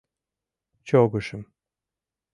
Чогышым.